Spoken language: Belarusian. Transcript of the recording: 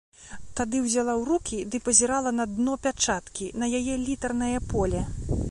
Тады ўзяла ў рукі ды пазірала на дно пячаткі, на яе літарнае поле.